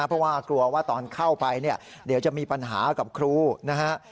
เพราะว่ากลัวว่าตอนเข้าไปเนี่ยเดี๋ยวจะมีปัญหากับครูนะฮะ